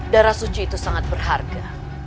darah suci itu sangat berharga